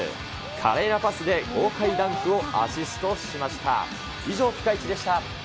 華麗なパスで豪快ダンクをアシストしました。